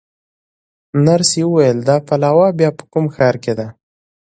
نرسې وویل: دا پلاوا بیا په کوم ښار کې ده؟